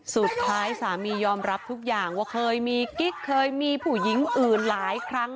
สุดท้ายสามียอมรับทุกอย่างว่าเคยมีกิ๊กเคยมีผู้หญิงอื่นหลายครั้ง